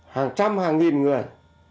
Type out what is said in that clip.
hàng trăm hàng nghìn người